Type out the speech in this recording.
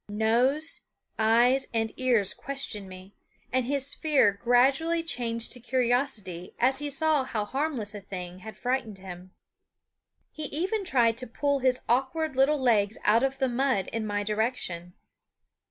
Nose, eyes, and ears questioned me; and his fear gradually changed to curiosity as he saw how harmless a thing had frightened him. He even tried to pull his awkward little legs out of the mud in my direction.